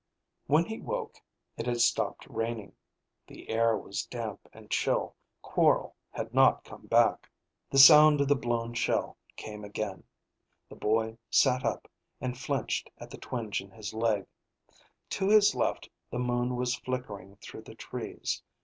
When he woke it had stopped raining. The air was damp and chill. Quorl had not come back. The sound of the blown shell came again. The boy sat up and flinched at the twinge in his leg. To his left the moon was flickering through the trees.